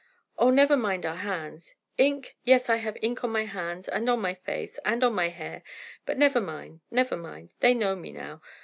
Oh, never mind our hands. Ink? Yes, I have ink on my hands and on my face and on my hair; but never mind, never mind; they know me now.